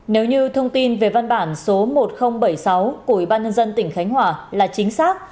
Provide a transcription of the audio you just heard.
nếu như thông tin về văn bản số một nghìn bảy mươi sáu của ủy ban nhân dân tỉnh khánh hòa là chính xác